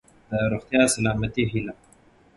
د روغتیا ،سلامتۍ هيله .💡